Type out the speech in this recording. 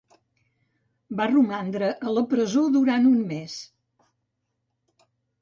Va romandre a la presó durant un mes.